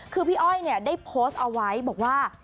คือพี่อ้อยได้โพสต์เอาไว้บอกว่า